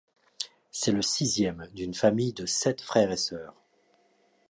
C’est le sixième d'une famille de sept frères et sœurs.